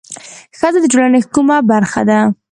ښځه د ټولنې کومه برخه ده؟